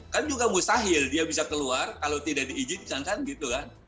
kan juga mustahil dia bisa keluar kalau tidak diizinkan kan gitu kan